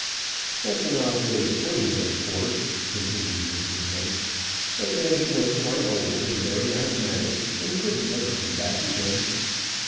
"That's an odd way of putting it, of course," continued Mr Blake; "but then he was quite old and very asthmatic, and couldn't ever come back again.